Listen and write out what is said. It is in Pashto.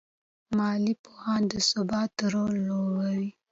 مالي پوهان د ثبات رول لوبوي.